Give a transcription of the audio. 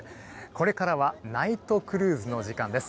これからはナイトクルーズの時間です。